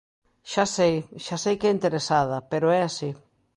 Xa sei, xa sei que é interesada, pero é así.